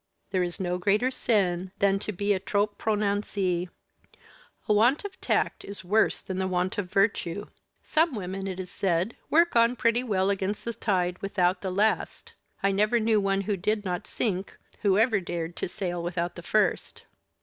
There is no greater sin than to be trop prononcée. A want of tact is worse than a want of virtue. Some women, it is said, work on pretty well against the tide without the last. I never knew one who did not sink who ever dared to sail without the first.